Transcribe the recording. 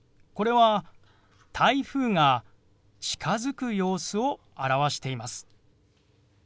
これは台風が近づく様子を表しています。